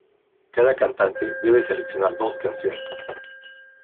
Cada cantante debe seleccionar dos canciones.